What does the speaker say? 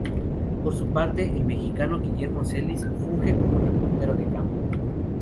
Por su parte, el mexicano Guillermo Celis funge como reportero de campo.